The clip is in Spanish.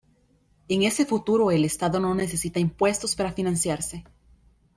En ese futuro, el Estado no necesita impuestos para financiarse.